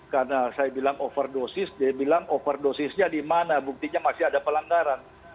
karena saya bilang overdosis dia bilang overdosisnya di mana buktinya masih ada pelanggaran